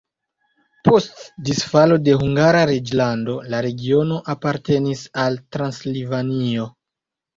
Post disfalo de Hungara reĝlando la regiono apartenis al Transilvanio.